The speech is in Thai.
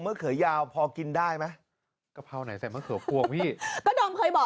เขือยาวพอกินได้ไหมกะเพราไหนใส่มะเขือพวงพี่ก็ดอมเคยบอก